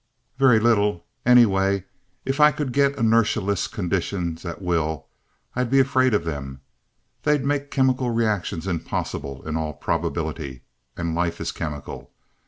"Very little. Anyway, if I could get inertialess conditions at will, I'd be afraid of them. They'd make chemical reactions impossible in all probability and life is chemical.